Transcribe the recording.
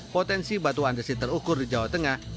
potensi batuan desit terukur di jawa tengah tahun dua ribu tujuh belas